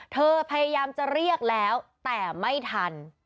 พยายามจะเรียกแล้วแต่ไม่ทัน